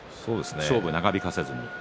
勝負を長引かせずに。